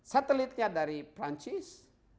satelitnya dari perancis